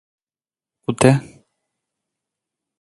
Κουτέ!